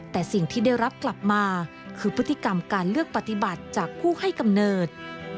แต่สิ่งที่ได้รับกลับมาคือพฤติกรรมการเลือกปฏิบัติจากผู้ให้กำเนิด